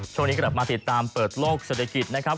ช่วงนี้กลับมาติดตามเปิดโลกเศรษฐกิจนะครับ